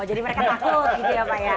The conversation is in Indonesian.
jadi mereka takut ya pak ya